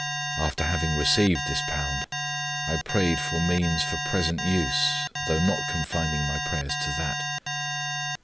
After having received this £1, I prayed for means for present use, though not confining my prayers to that.